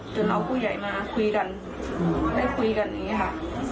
จนเอาผู้ใหญ่มาคุยกันได้คุยกันอย่างนี้ค่ะ